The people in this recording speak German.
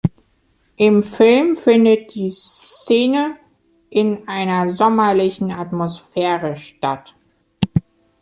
Im Film findet die Szene in einer sommerlichen Atmosphäre statt.